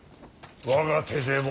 我が手勢も。